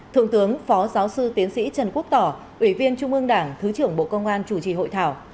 thượng tướng phó giáo sư tiến sĩ trần quốc tỏ ủy viên trung ương đảng thứ trưởng bộ công an chủ trì hội thảo